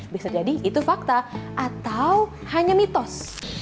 bisa jadi itu fakta atau hanya mitos